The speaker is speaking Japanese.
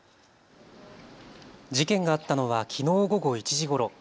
事件があったのはきのう午後１時ごろ。